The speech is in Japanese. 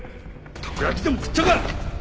たこ焼きでも食ったか？